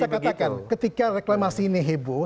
ya makanya saya katakan ketika reklamasi ini heboh